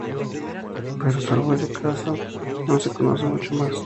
Pero salvo ese caso no se conocen muchos más.